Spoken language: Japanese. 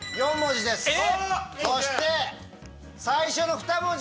そして最初の２文字。